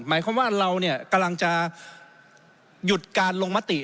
หมายความว่าเราเนี่ยกำลังจะหยุดการลงมติ